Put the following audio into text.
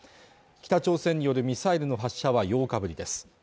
北朝鮮によるミサイルの発射は８日ぶりです